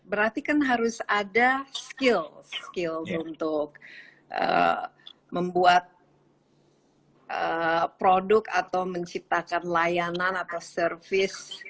berarti kan harus ada skill untuk membuat produk atau menciptakan layanan atau service